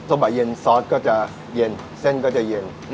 บ่ายเย็นซอสก็จะเย็นเส้นก็จะเย็น